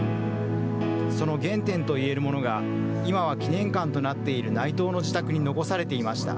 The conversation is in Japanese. その原点といえるものが、今は記念館となっている内藤の自宅に残されていました。